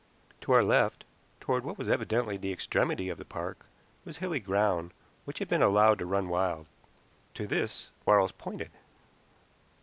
To our left, toward what was evidently the extremity of the park, was hilly ground, which had been allowed to run wild. To this Quarles pointed.